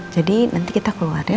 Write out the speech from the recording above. jadi nanti kita keluar ya